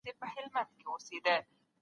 دیموکراسي یو ټولنیز بهیر دی.